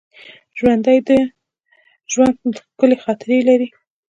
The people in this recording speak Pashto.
ژوندي د ژوند ښکلي خاطرې لري